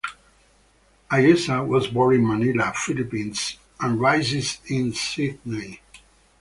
Ayesa was born in Manila, Philippines and raised in Sydney.